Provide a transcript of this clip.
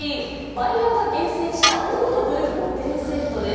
バイヤーが厳選したオードブル５点セットです。